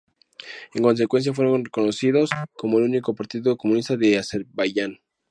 En consecuencia, fueron reconocidos como el único partido comunista de Azerbaiyán.